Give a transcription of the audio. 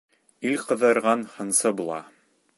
Ил ҡыҙырған һынсы була